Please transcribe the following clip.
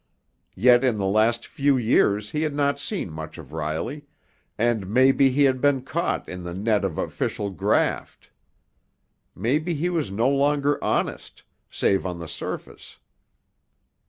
Yet in the last few years he had not seen much of Riley, and maybe he had been caught in the net of official graft. Maybe he was no longer honest, save on the surface.